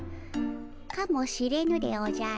かもしれぬでおじゃる。